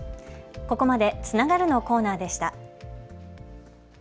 ここまで、つながるのコーナーでした。